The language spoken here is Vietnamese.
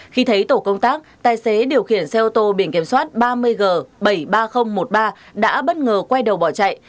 khi thấy tổ công tác tài xế điều khiển xe ô tô biển kiểm soát ba mươi g bảy mươi ba nghìn một mươi ba đã bất ngờ quay đầu bỏ chạy